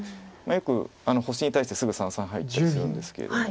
よく星に対してすぐ三々入ったりするんですけれども。